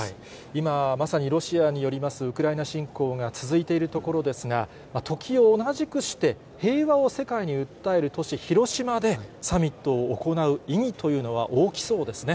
今、まさにロシアによります、ウクライナ侵攻が続いているところですが、時を同じくして、平和を世界に訴える都市、広島でサミットを行う意義というのは大きそうですね。